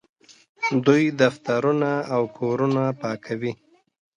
دوی دفترونه او کورونه پاکوي.